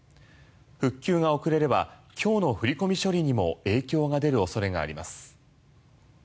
復旧が遅れれば今日の振り込み処理にも影響が出る恐れがあります。